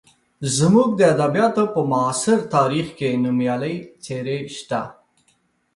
زموږ د ادبیاتو په معاصر تاریخ کې نومیالۍ څېرې شته.